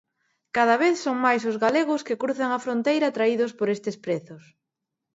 Cada vez son máis os galegos que cruzan a fronteira atraídos por estes prezos.